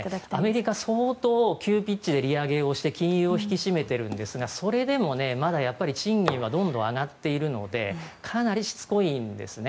アメリカは相当急ピッチで利上げをして金融を引き締めてるんですがそれも賃金はどんどん上がっているんですがかなりしつこいんですね。